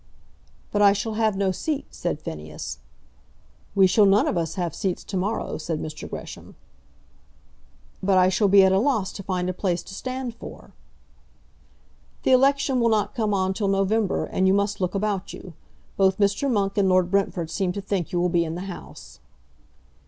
"But I shall have no seat," said Phineas. "We shall none of us have seats to morrow," said Mr. Gresham. "But I shall be at a loss to find a place to stand for." "The election will not come on till November, and you must look about you. Both Mr. Monk and Lord Brentford seem to think you will be in the House."